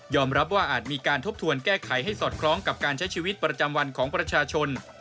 รับว่าอาจมีการทบทวนแก้ไขให้สอดคล้องกับการใช้ชีวิตประจำวันของประชาชน